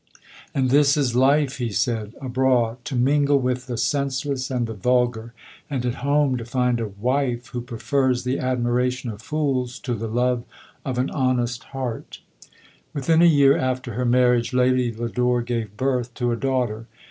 M And this is life!" he said ;" abroad, to mingle with the senseless and the vulgar ; and at home, to find a — wife, who prefers the admiration of fools, to the love of an honest heart T 1 Within a year after her marriage, Lady Lodore gave birth to a daughter.